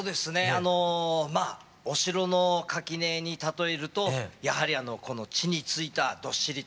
あのまあお城の垣根にたとえるとやはりこの地に着いたどっしりとした。